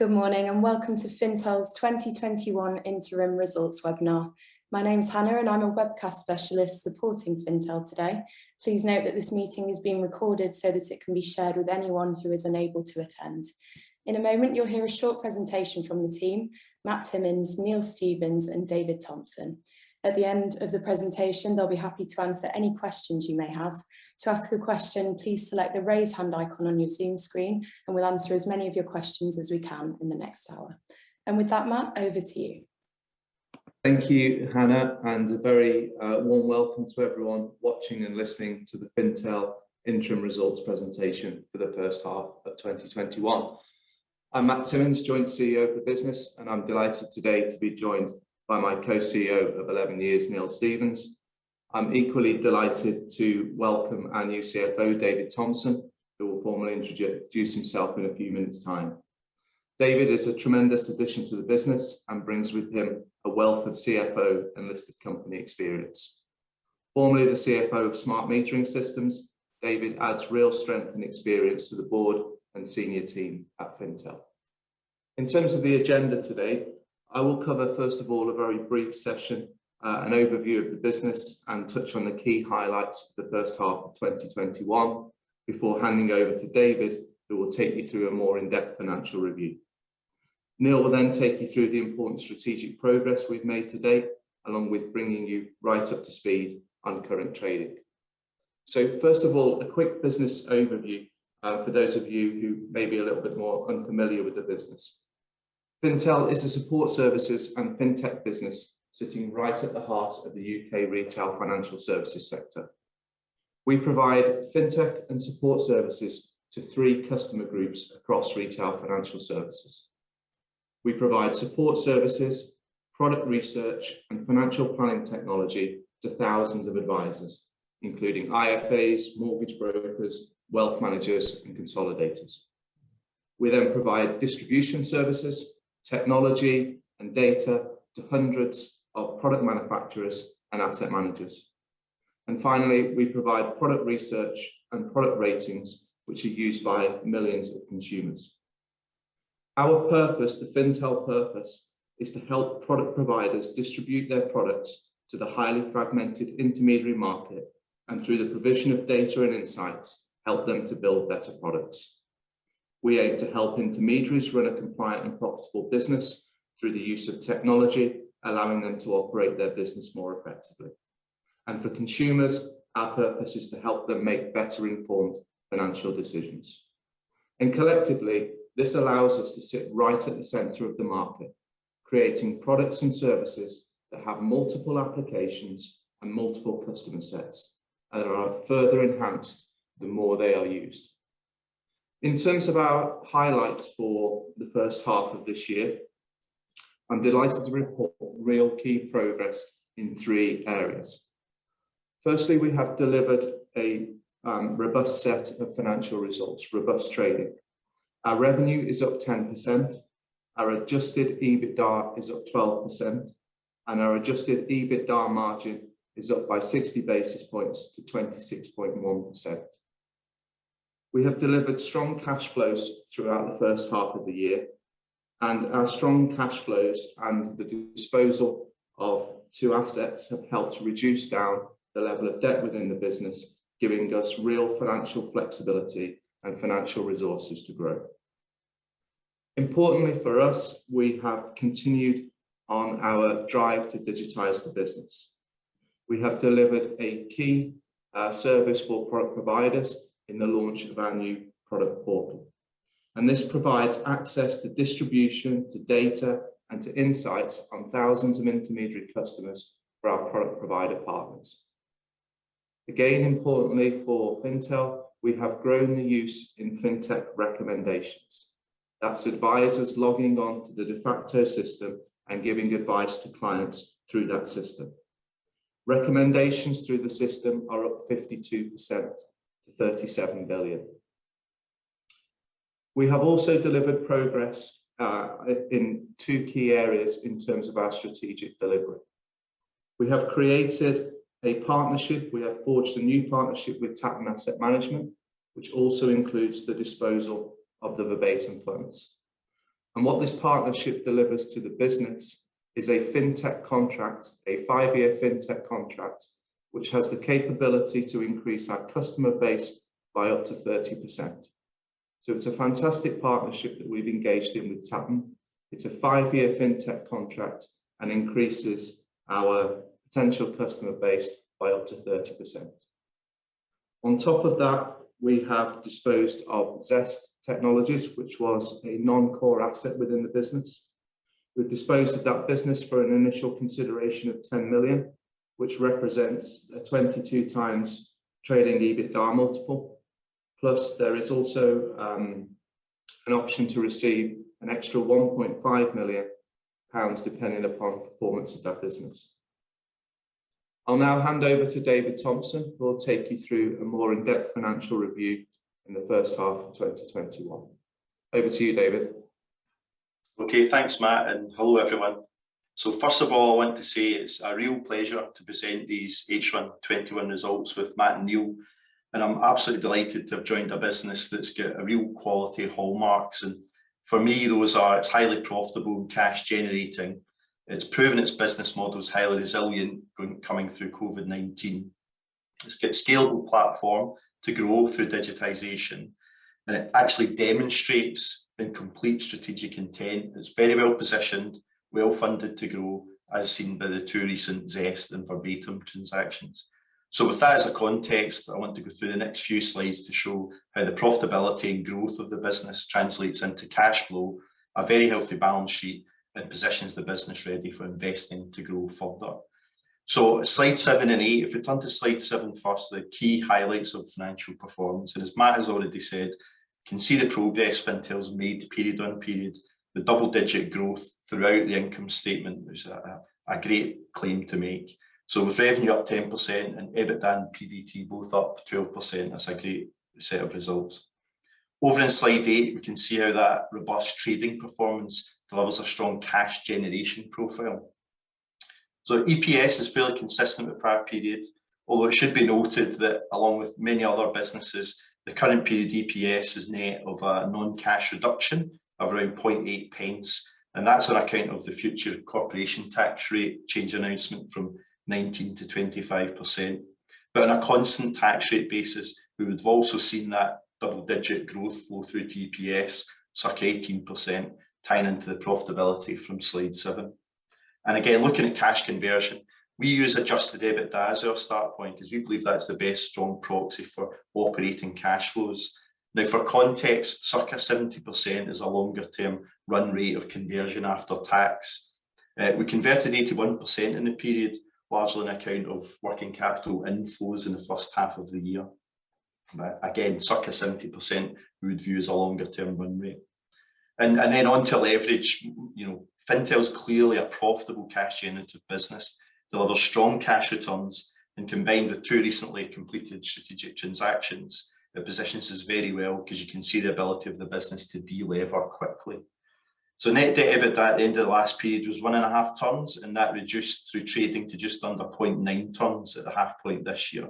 Good morning, and welcome to Fintel's 2021 Interim Results Webinar. My name's Hannah and I'm a Webcast Specialist supporting Fintel today. Please note that this meeting is being recorded, so that it can be shared with anyone who is unable to attend. In a moment, you'll hear a short presentation from the team, Matt Timmins, Neil Stevens, and David Thompson. At the end of the presentation, they'll be happy to answer any questions you may have. To ask a question, please select the raise hand icon on your Zoom screen, and we'll answer as many of your questions as we can in the next hour. And with that, Matt, over to you. Thank you, Hannah, and a very warm welcome to everyone watching and listening to the Fintel interim results presentation for the first half of 2021. I'm Matt Timmins, Joint CEO of the business, and I'm delighted today to be joined by my Co-CEO of 11 years, Neil Stevens. I'm equally delighted to welcome our new CFO, David Thompson, who will formally introduce himself in a few minutes time. David is a tremendous addition to the business and brings with him a wealth of CFO and listed company experience. Formerly the CFO of Smart Metering Systems, David adds real strength and experience to the board and senior team at Fintel. In terms of the agenda today, I will cover, first of all, a very brief session, an overview of the business, and touch on the key highlights for the first half of 2021 before handing over to David, who will take you through a more in-depth financial review. Neil will then take you through the important strategic progress we've made to date, along with bringing you right up to speed on current trading. First of all, a quick business overview, for those of you who may be a little bit more unfamiliar with the business. Fintel is a support services and fintech business sitting right at the heart of the U.K. retail financial services sector. We provide fintech and support services to three customer groups across retail financial services. We provide support services, product research, and financial planning technology to thousands of advisors, including IFAs, mortgage brokers, wealth managers, and consolidators. We provide distribution services, technology, and data to hundreds of product manufacturers and asset managers. Finally, we provide product research and product ratings, which are used by millions of consumers. Our purpose, the Fintel purpose, is to help product providers distribute their products to the highly fragmented intermediary market, and through the provision of data and insights, help them to build better products. We aim to help intermediaries run a compliant and profitable business through the use of technology, allowing them to operate their business more effectively. For consumers, our purpose is to help them make better-informed financial decisions. Collectively, this allows us to sit right at the center of the market, creating products and services that have multiple applications and multiple customer sets, and are further enhanced the more they are used. In terms of our highlights for the first half of this year, I'm delighted to report real key progress in three areas. Firstly, we have delivered a robust set of financial results, robust trading. Our revenue is up 10%, our adjusted EBITDA is up 12%, and our adjusted EBITDA margin is up by 60 basis points to 26.1%. We have delivered strong cash flows throughout the first half of the year, and our strong cash flows and the disposal of two assets have helped reduce down the level of debt within the business, giving us real financial flexibility and financial resources to grow. Importantly for us, we have continued on our drive to digitize the business. We have delivered a key service for product providers in the launch of our new product portal. This provides access to distribution, to data, and to insights on thousands of intermediary customers for our product provider partners. Again, importantly for Fintel, we have grown the use in fintech recommendations. That's advisors logging on to the Defaqto system and giving advice to clients through that system. Recommendations through the system are up 52% to 37 billion. We have also delivered progress in two key areas in terms of our strategic delivery. We have created a partnership. We have forged a new partnership with Tatton Asset Management, which also includes the disposal of the Verbatim funds. What this partnership delivers to the business is a fintech contract, a five-year fintech contract, which has the capability to increase our customer base by up to 30%. It's a fantastic partnership that we've engaged in with Tatton. It's a five-year fintech contract and increases our potential customer base by up to 30%. On top of that, we have disposed of Zest Technology, which was a non-core asset within the business. We've disposed of that business for an initial consideration of 10 million, which represents a 22x trading EBITDA multiple. Plus, there is also an option to receive an extra 1.5 million pounds depending upon performance of that business. I'll now hand over to David Thompson, who will take you through a more in-depth financial review in the first half of 2021. Over to you, David. Okay, thanks, Matt, and hello everyone. First of all, I want to say it's a real pleasure to present these H1 2021 results with Matt and Neil. I'm absolutely delighted to have joined a business that's got real quality hallmarks, and for me, those are, it's highly profitable and cash generating. It's proven its business model is highly resilient coming through COVID-19. It's got a scalable platform to grow through digitization, and it actually demonstrates a complete strategic intent. It's very well positioned, well-funded to grow, as seen by the two recent Zest and Verbatim transactions. With that as the context, I want to go through the next few slides to show how the profitability and growth of the business translates into cash flow, a very healthy balance sheet that positions the business ready for investing to grow further. Slide seven and eight. If we turn to slide seven first, the key highlights of financial performance, and as Matt has already said, you can see the progress Fintel has made period-on-period. The double-digit growth throughout the income statement is a great claim to make. With revenue up 10% and EBITDA and PBT both up 12%, that's a great set of results. Over in slide eight, we can see how that robust trading performance delivers a strong cash generation profile. EPS is fairly consistent with prior period, although it should be noted that, along with many other businesses, the current period EPS is net of a non-cash reduction of around 0.008, and that's on account of the future corporation tax rate change announcement from 19%-25%. On a constant tax rate basis, we would have also seen that double-digit growth flow through to EPS, circa 18%, tying into the profitability from slide seven. Again, looking at cash conversion, we use adjusted EBITDA as our start point because we believe that's the best strong proxy for operating cash flows. Now, for context, circa 70% is a longer-term run rate of conversion after tax. We converted 81% in the period, largely on account of working capital inflows in the first half of the year. Again, circa 70% we would view as a longer-term run rate. Then onto leverage. Fintel is clearly a profitable cash-generative business. There are other strong cash returns and combined with two recently completed strategic transactions, it positions us very well because you can see the ability of the business to de-lever quickly. Net debt EBITDA at the end of the last period was 1.5x, and that reduced through trading to just under 0.9x at the half point this year.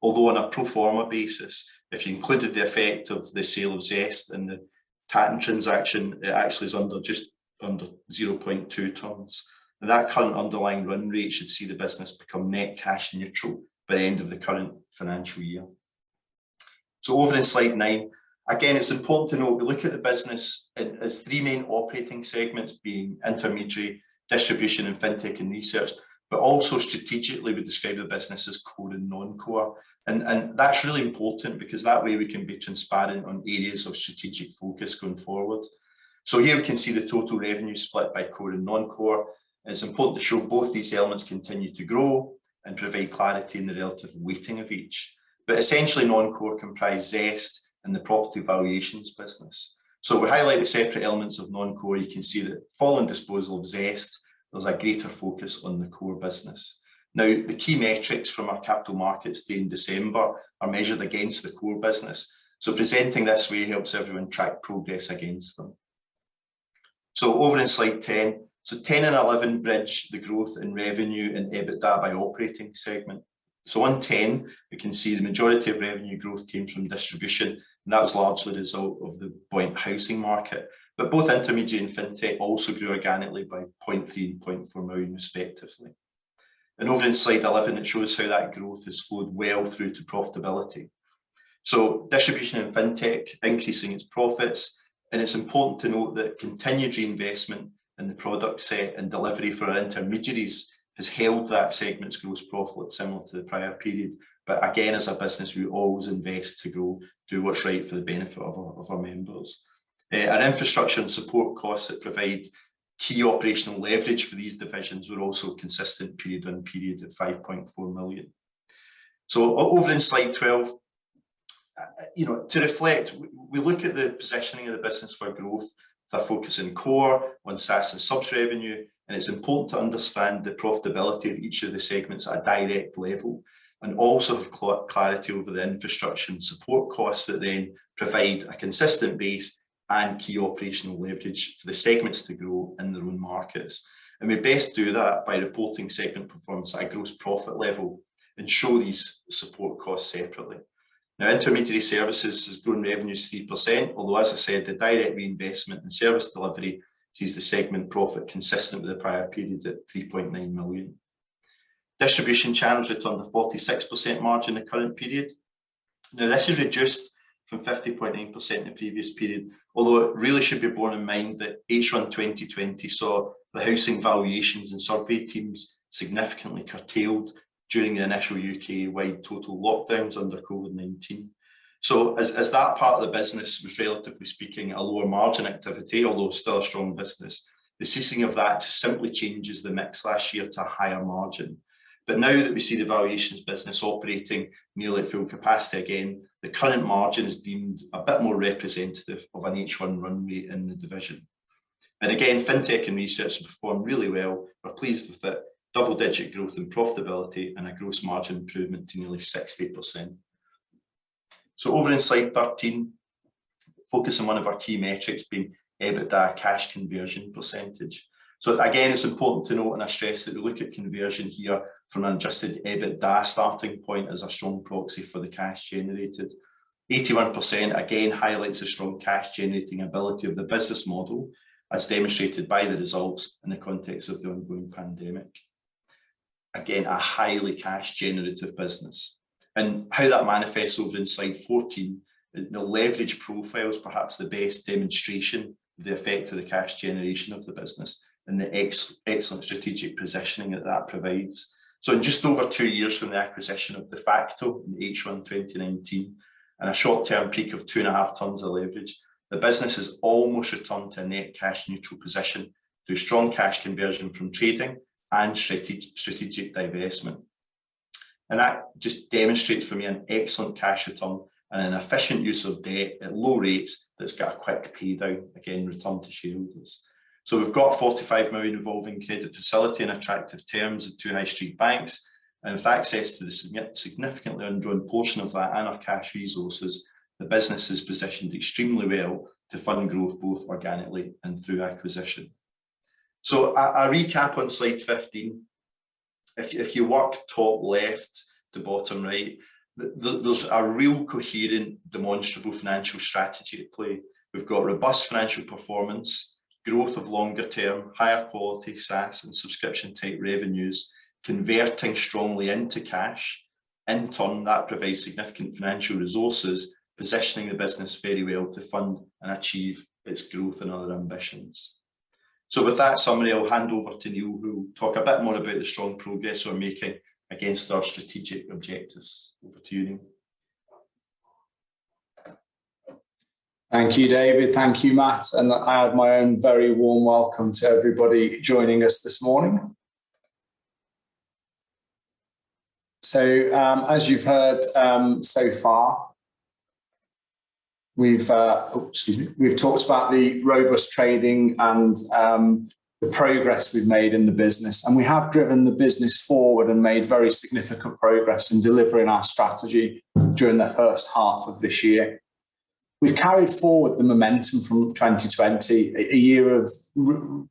Although on a pro forma basis, if you included the effect of the sale of Zest and the Tatton transaction, it actually is just under 0.2x. That current underlying run rate should see the business become net cash neutral by the end of the current financial year. Over in slide nine, again, it's important to note, we look at the business as three main operating segments, being intermediary, distribution, and Fintech and Research. Also strategically, we describe the business as core and non-core. That's really important because that way we can be transparent on areas of strategic focus going forward. Here we can see the total revenue split by core and non-core, and it's important to show both these elements continue to grow and provide clarity in the relative weighting of each. Essentially, non-core comprise Zest and the property valuations business. We highlight the separate elements of non-core. You can see that following disposal of Zest, there was a greater focus on the core business. Now, the key metrics from our Capital Markets Day in December are measured against the core business, so presenting this way helps everyone track progress against them. Over in slide 10 and 11 bridge the growth in revenue and EBITDA by operating segment. So on 10, we can see the majority of revenue growth came from distribution, and that was largely a result of the buoyant housing market. Both intermediary and fintech also grew organically by 0.3 million and 0.4 million respectively. Over in slide 11, it shows how that growth has flowed well through to profitability. Distribution and fintech increasing its profits, and it is important to note that continued reinvestment in the product set and delivery for our intermediaries has held that segment's gross profit similar to the prior period. Again, as a business, we always invest to grow, do what is right for the benefit of our members. Our infrastructure and support costs that provide key operational leverage for these divisions were also consistent period on period at 5.4 million. Over in slide 12, to reflect, we look at the positioning of the business for growth, for focus in core, on SaaS and subs revenue, and it is important to understand the profitability of each of the segments at a direct level. Also have clarity over the infrastructure and support costs that then provide a consistent base and key operational leverage for the segments to grow in their own markets. We best do that by reporting segment performance at a gross profit level and show these support costs separately. Now, intermediary services has grown revenues 3%, although as I said, the direct reinvestment in service delivery sees the segment profit consistent with the prior period at 3.9 million. Distribution Channels returned a 46% margin in the current period. Now, this has reduced from 50.9% in the previous period, although it really should be borne in mind that H1 2020 saw the housing valuations and survey teams significantly curtailed during the initial U.K.-wide total lockdowns under COVID-19. As that part of the business was, relatively speaking, a lower margin activity, although still a strong business, the ceasing of that simply changes the mix last year to a higher margin. Now that we see the valuations business operating nearly at full capacity again, the current margin is deemed a bit more representative of an H1 run rate in the division. Again, Fintech and Research performed really well. We're pleased with the double-digit growth and profitability and a gross margin improvement to nearly 60%. Over in slide 13, focusing on one of our key metrics being EBITDA cash conversion percentage. Again, it's important to note and I stress that we look at conversion here from an adjusted EBITDA starting point as a strong proxy for the cash generated. 81% highlights the strong cash generating ability of the business model, as demonstrated by the results in the context of the ongoing pandemic. A highly cash generative business. How that manifests over in slide 14, the leverage profile is perhaps the best demonstration of the effect of the cash generation of the business and the excellent strategic positioning that provides. In just over two years from the acquisition of Defaqto in H1 2019, and a short-term peak of two and a half tons of leverage, the business has almost returned to a net cash neutral position through strong cash conversion from trading and strategic divestment. That just demonstrates for me an excellent cash return and an efficient use of debt at low rates that's got a quick paydown, again, return to shareholders. We've got 45 million revolving credit facility and attractive terms of two high street banks. With access to the significantly undrawn portion of that and our cash resources, the business is positioned extremely well to fund growth, both organically and through acquisition. A recap on slide 15. If you work top left to bottom right, there's a real coherent, demonstrable financial strategy at play. We've got robust financial performance, growth of longer term, higher quality SaaS and subscription type revenues converting strongly into cash. In turn, that provides significant financial resources, positioning the business very well to fund and achieve its growth and other ambitions. With that summary, I'll hand over to Neil who will talk a bit more about the strong progress we're making against our strategic objectives. Over to you, Neil. Thank you, David. Thank you, Matt. I add my own very warm welcome to everybody joining us this morning. As you've heard so far, we've talked about the robust trading and the progress we've made in the business. We have driven the business forward and made very significant progress in delivering our strategy during the first half of this year. We've carried forward the momentum from 2020, a year of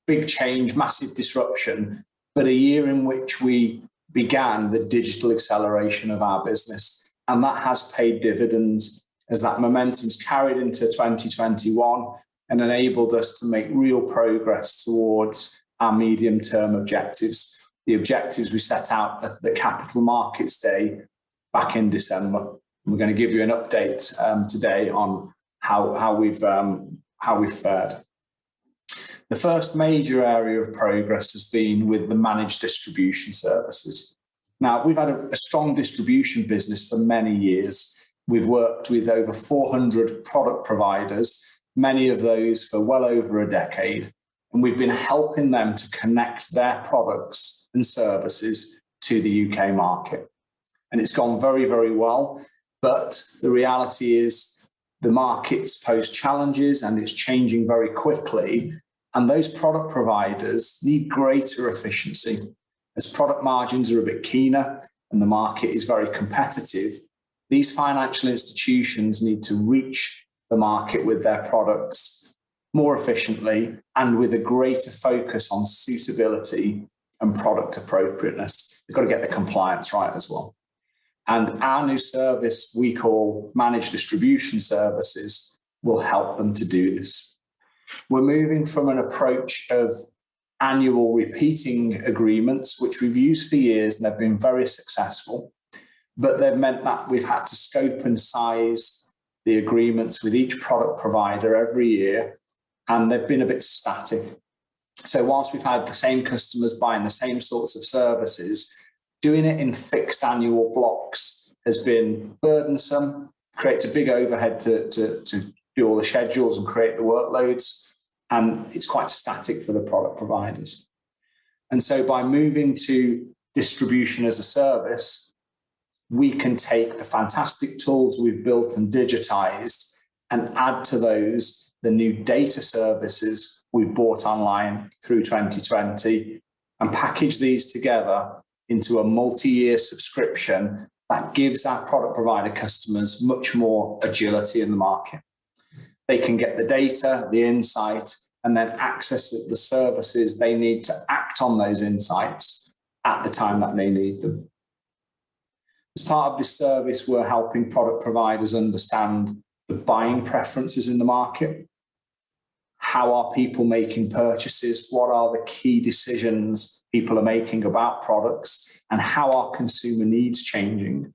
big change, massive disruption, but a year in which we began the digital acceleration of our business. That has paid dividends as that momentum's carried into 2021 and enabled us to make real progress towards our medium-term objectives, the objectives we set out at the Capital Markets Day back in December. We're going to give you an update today on how we've fared. The first major area of progress has been with the Managed Distribution Services. We've had a strong distribution business for many years. We've worked with over 400 product providers, many of those for well over a decade, and we've been helping them to connect their products and services to the U.K. market. It's gone very, very well, but the reality is the markets pose challenges, and it's changing very quickly. Those product providers need greater efficiency. As product margins are a bit keener and the market is very competitive, these financial institutions need to reach the market with their products more efficiently and with a greater focus on suitability and product appropriateness. They've got to get the compliance right as well. Our new service, we call Managed Distribution Services, will help them to do this. We're moving from an approach of annual repeating agreements, which we've used for years, and they've been very successful. They've meant that we've had to scope and size the agreements with each product provider every year, and they've been a bit static. Whilst we've had the same customers buying the same sorts of services, doing it in fixed annual blocks has been burdensome, creates a big overhead to do all the schedules and create the workloads, and it's quite static for the product providers. By moving to distribution as a service, we can take the fantastic tools we've built and digitized and add to those the new data services we've bought online through 2020 and package these together into a multi-year subscription that gives our product provider customers much more agility in the market. They can get the data, the insight, and then access the services they need to act on those insights at the time that they need them. At the start of this service, we're helping product providers understand the buying preferences in the market. How are people making purchases? What are the key decisions people are making about products? How are consumer needs changing?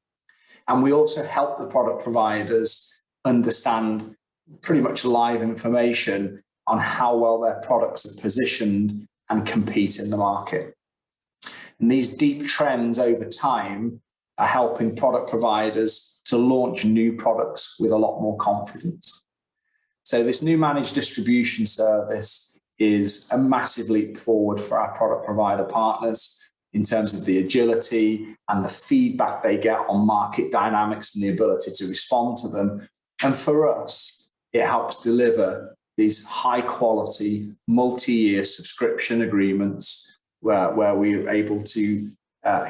We also help the product providers understand pretty much live information on how well their products are positioned and compete in the market. These deep trends over time are helping product providers to launch new products with a lot more confidence. This new Managed Distribution Services is a massive leap forward for our product provider partners in terms of the agility and the feedback they get on market dynamics and the ability to respond to them. For us, it helps deliver these high-quality, multi-year subscription agreements where we are able to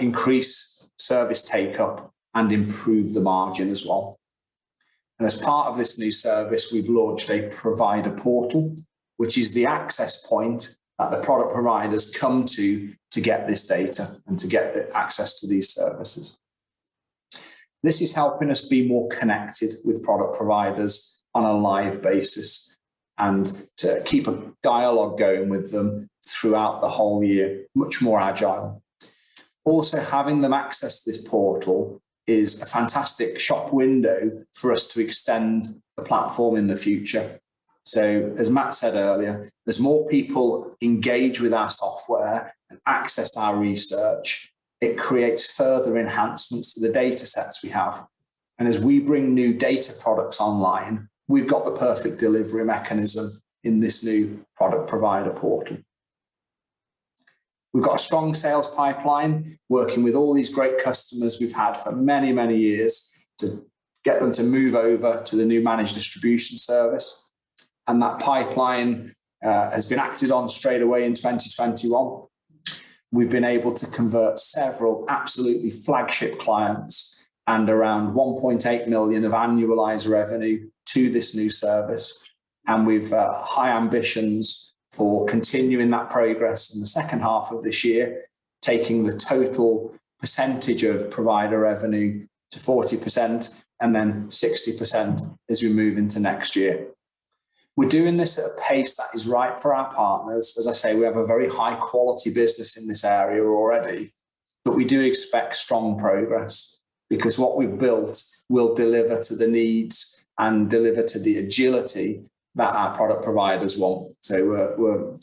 increase service take-up and improve the margin as well. As part of this new service, we've launched a provider portal, which is the access point that the product providers come to to get this data and to get the access to these services. This is helping us be more connected with product providers on a live basis, and to keep a dialogue going with them throughout the whole year, much more agile. Having them access this portal is a fantastic shop window for us to extend the platform in the future. As Matt said earlier, there's more people engage with our software and access our research. It creates further enhancements to the data sets we have. As we bring new data products online, we've got the perfect delivery mechanism in this new provider portal. We've got a strong sales pipeline working with all these great customers we've had for many, many years to get them to move over to the new Managed Distribution Services. That pipeline has been acted on straight away in 2021. We've been able to convert several absolutely flagship clients and around 1.8 million of annualized revenue to this new service, and we've high ambitions for continuing that progress in the second half of this year, taking the total percentage of provider revenue to 40% and then 60% as we move into next year. We're doing this at a pace that is right for our partners. As I say, we have a very high-quality business in this area already, but we do expect strong progress, because what we've built will deliver to the needs and deliver to the agility that our product providers want. We're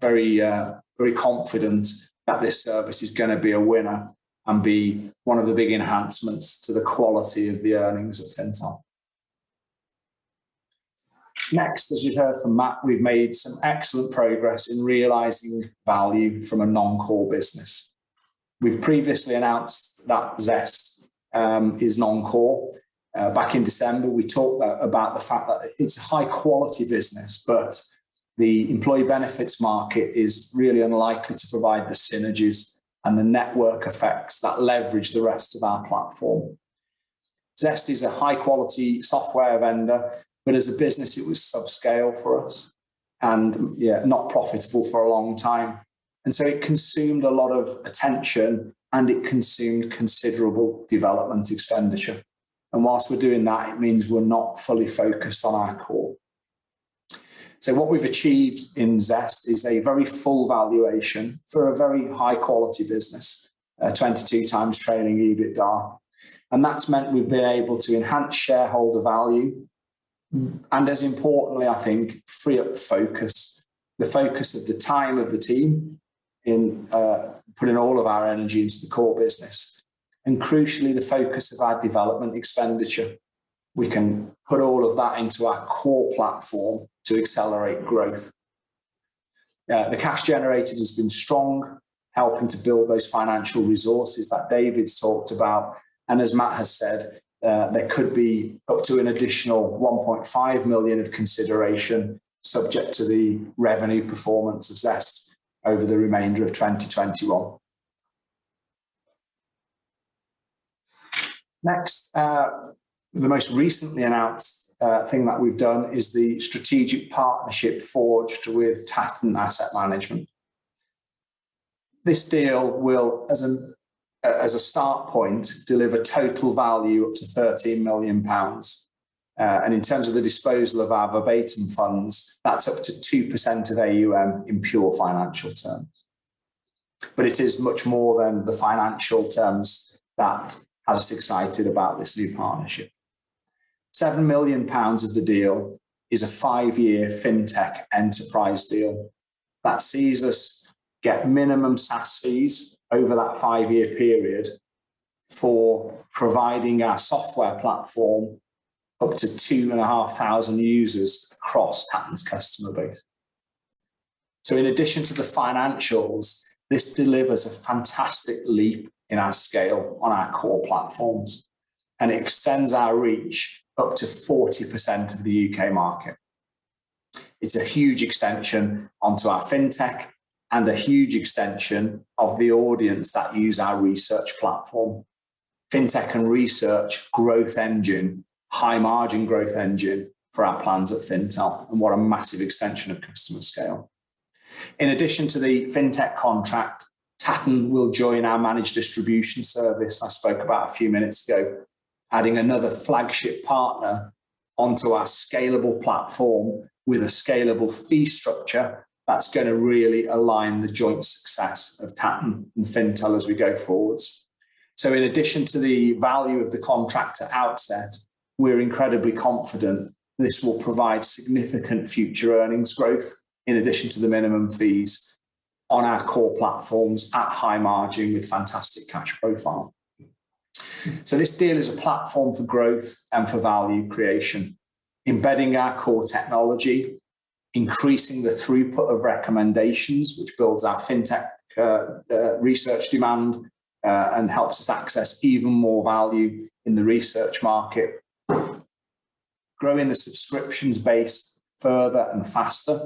very confident that this service is going to be a winner and be one of the big enhancements to the quality of the earnings at Fintel. Next, as you've heard from Matt, we've made some excellent progress in realizing value from a non-core business. We've previously announced that Zest is non-core. Back in December, we talked about the fact that it's a high-quality business, but the employee benefits market is really unlikely to provide the synergies and the network effects that leverage the rest of our platform. Zest is a high-quality software vendor, but as a business it was subscale for us and not profitable for a long time, and so it consumed a lot of attention and it consumed considerable development expenditure. Whilst we're doing that, it means we're not fully focused on our core. What we've achieved in Zest is a very full valuation for a very high-quality business, 22x trailing EBITDA, and that's meant we've been able to enhance shareholder value and, as importantly, I think, free up the focus of the time of the team in putting all of our energy into the core business and, crucially, the focus of our development expenditure. We can put all of that into our core platform to accelerate growth. The cash generated has been strong, helping to build those financial resources that David's talked about. As Matt has said, there could be up to an additional 1.5 million of consideration subject to the revenue performance of Zest over the remainder of 2021. Next, the most recently announced thing that we've done is the strategic partnership forged with Tatton Asset Management. This deal will, as a start point, deliver total value up to 13 million pounds. In terms of the disposal of our Verbatim funds, that's up to 2% of AUM in pure financial terms. It is much more than the financial terms that has us excited about this new partnership. 7 million pounds of the deal is a five-year fintech enterprise deal that sees us get minimum SaaS fees over that five-year period for providing our software platform up to 2,500 users across Tatton's customer base. In addition to the financials, this delivers a fantastic leap in our scale on our core platforms and extends our reach up to 40% of the U.K. market. It's a huge extension onto our Fintech and a huge extension of the audience that use our research platform. Fintech and Research growth engine, high margin growth engine for our plans at Fintel, and what a massive extension of customer scale. In addition to the Fintech contract, Tatton will join our Managed Distribution Services I spoke about a few minutes ago, adding another flagship partner onto our scalable platform with a scalable fee structure that's going to really align the joint success of Tatton and Fintel as we go forwards. In addition to the value of the contract at outset, we're incredibly confident this will provide significant future earnings growth in addition to the minimum fees on our core platforms at high margin with fantastic cash profile. This deal is a platform for growth and for value creation, embedding our core technology, increasing the throughput of recommendations, which builds our fintech research demand and helps us access even more value in the research market. Growing the subscriptions base further and faster.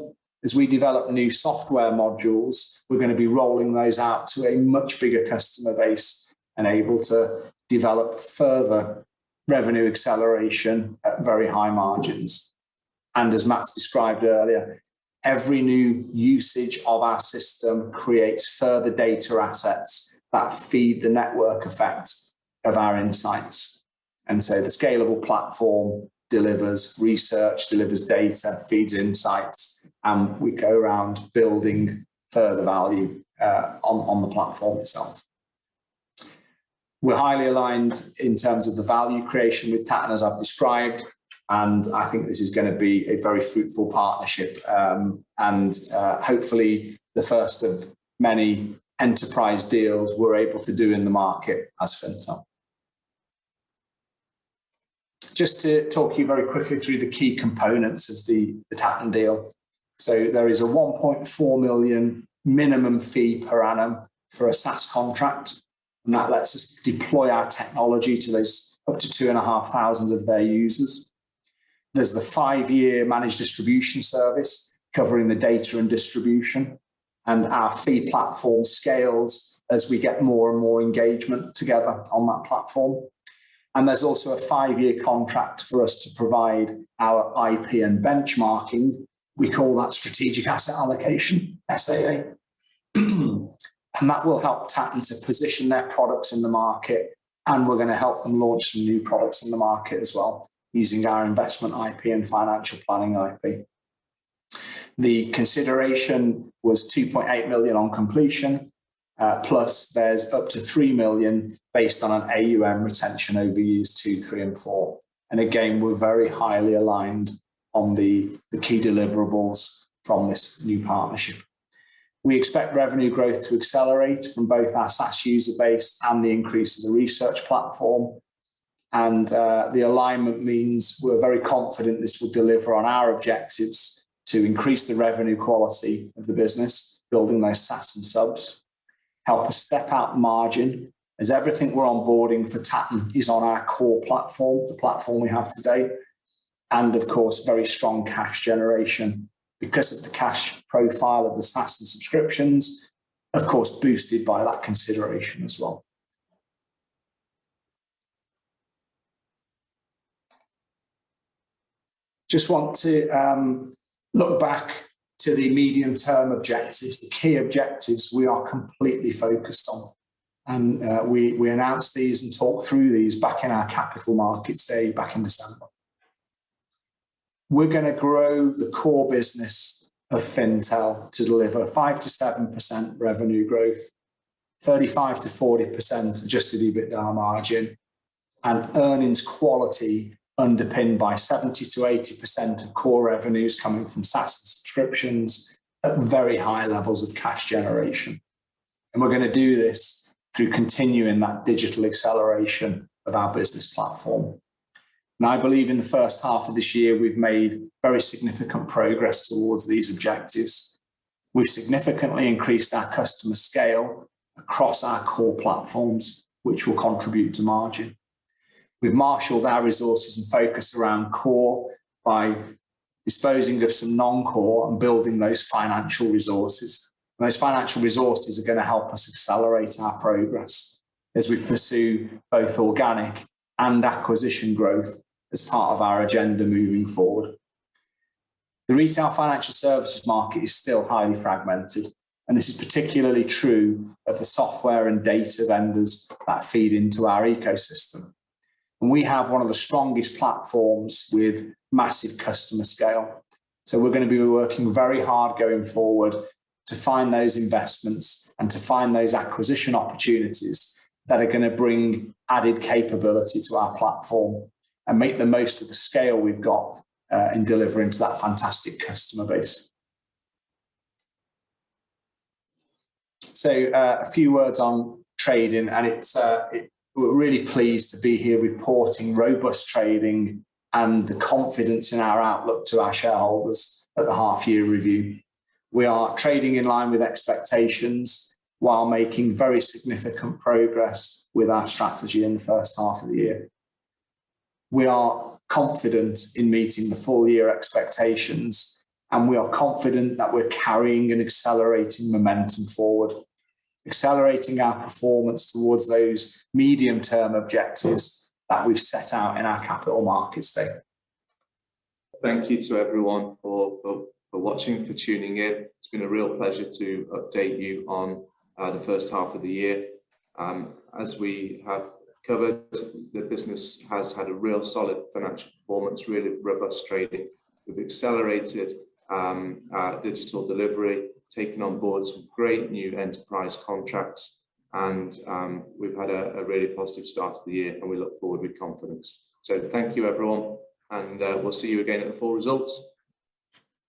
As we develop new software modules, we're going to be rolling those out to a much bigger customer base and able to develop further revenue acceleration at very high margins. As Matt described earlier, every new usage of our system creates further data assets that feed the network effect of our insights. The scalable platform delivers research, delivers data, feeds insights, and we go around building further value on the platform itself. We're highly aligned in terms of the value creation with Tatton, as I've described, and I think this is going to be a very fruitful partnership. Hopefully, the first of many enterprise deals we're able to do in the market as Fintel. Just to talk you very quickly through the key components of the Tatton deal. There is a 1.4 million minimum fee per annum for a SaaS contract, and that lets us deploy our technology to those up to 2,500 of their users. There's the five-year Managed Distribution Services covering the data and distribution, and our fee platform scales as we get more and more engagement together on that platform. There's also a five-year contract for us to provide our IP and benchmarking. We call that strategic asset allocation, SAA. That will help Tatton to position their products in the market, and we're going to help them launch some new products in the market as well using our investment IP and financial planning IP. The consideration was 2.8 million on completion, plus there's up to 3 million based on an AUM retention over years two, three, and four. Again, we're very highly aligned on the key deliverables from this new partnership. We expect revenue growth to accelerate from both our SaaS user base and the increase in the research platform. The alignment means we're very confident this will deliver on our objectives to increase the revenue quality of the business, building those SaaS and subs, help us step up margin, as everything we're onboarding for Tatton is on our core platform, the platform we have today, and of course, very strong cash generation because of the cash profile of the SaaS and subscriptions, of course, boosted by that consideration as well. Just want to look back to the medium-term objectives, the key objectives we are completely focused on. We announced these and talked through these back in our Capital Markets Day back in December. We're going to grow the core business of Fintel to deliver 5%-7% revenue growth, 35%-40% adjusted EBITDA margin, and earnings quality underpinned by 70%-80% of core revenues coming from SaaS subscriptions at very high levels of cash generation. We're going to do this through continuing that digital acceleration of our business platform. Now, I believe in the first half of this year, we've made very significant progress towards these objectives. We've significantly increased our customer scale across our core platforms, which will contribute to margin. We've marshaled our resources and focus around core by disposing of some non-core and building those financial resources. Those financial resources are going to help us accelerate our progress as we pursue both organic and acquisition growth as part of our agenda moving forward. The retail financial services market is still highly fragmented. This is particularly true of the software and data vendors that feed into our ecosystem. We have one of the strongest platforms with massive customer scale. We're going to be working very hard going forward to find those investments and to find those acquisition opportunities that are going to bring added capability to our platform and make the most of the scale we've got in delivering to that fantastic customer base. A few words on trading. We're really pleased to be here reporting robust trading and the confidence in our outlook to our shareholders at the half year review. We are trading in line with expectations while making very significant progress with our strategy in the first half of the year. We are confident in meeting the full-year expectations. We are confident that we're carrying an accelerating momentum forward, accelerating our performance towards those medium-term objectives that we've set out in our Capital Markets Day. Thank you to everyone for watching, for tuning in. It's been a real pleasure to update you on the first half of the year. As we have covered, the business has had a real solid financial performance, really robust trading. We've accelerated our digital delivery, taken on board some great new enterprise contracts, and we've had a really positive start to the year, and we look forward with confidence. Thank you, everyone, and we'll see you again at the full results.